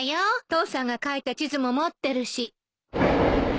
父さんが描いた地図も持ってるし。